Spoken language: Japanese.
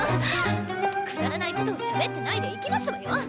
くだらないことをしゃべってないで行きますわよ。